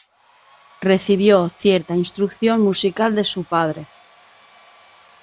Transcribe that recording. Recibió cierta instrucción musical de su padre.